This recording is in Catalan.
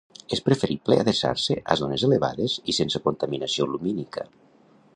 És preferible d’adreçar-se a zones elevades i sense contaminació lumínica.